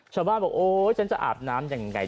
ชาวบ้านบอกโอ๊ยฉันจะอาบน้ำยังไง